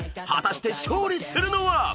［果たして勝利するのは⁉］